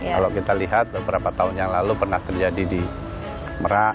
kalau kita lihat beberapa tahun yang lalu pernah terjadi di merak